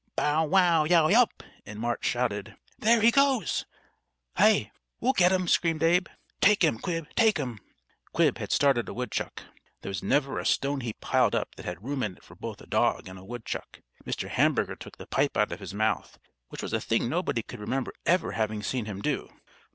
Bow wow yow yelp! and Mart shouted: "There he goes!" "Hi! We'll get him!" screamed Abe. "Take him, Quib! Take him!" Quib had started a woodchuck. There was never a stone heap piled up that had room in it for both a dog and a woodchuck. Mr. Hamburger took the pipe out of his mouth, which was a thing nobody could remember ever having seen him do.